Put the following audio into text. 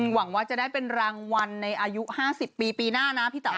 หวังว่าจะได้เป็นรางวัลในอายุ๕๐ปีปีหน้านะพี่เต๋